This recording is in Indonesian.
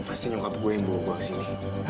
lepasin nyokap gue yang bawa gue kesini